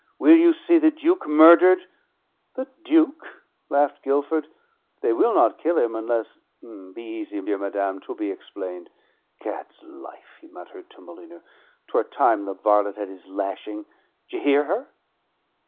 Will you see the Duke murdered?" "The Duke!" laughed Guilford. "They will not kill him, unless be easy, dear madam, 'twill be explained. Gad's life!" he muttered to Molyneux, "'Twere time the varlet had his lashing! D'ye hear her?"